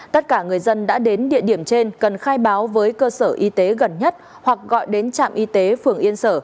tất cả người dân đã đến địa điểm trên cần khai báo với cơ sở y tế gần nhất hoặc gọi đến trạm y tế phường yên sở